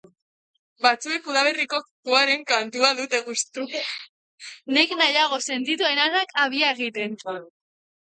Batzuek udaberriko kukuaren kantua dute gustuko. Nik nahiago sentitu enarak habia egiten.